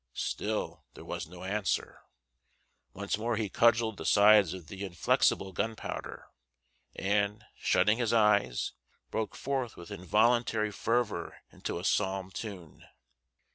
Still there was no answer. Once more he cudgelled the sides of the inflexible Gunpowder, and, shutting his eyes, broke forth with involuntary fervor into a psalm tune.